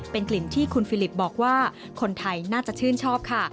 เป็นกลิ่นที่คุณฟิลิปบอกว่าคนไทยน่าจะชื่นชอบค่ะ